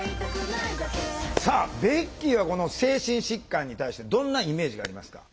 さあベッキーはこの精神疾患に対してどんなイメージがありますか？